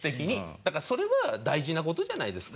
だからそれは大事な事じゃないですか。